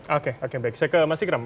oke oke baik saya ke mas ikram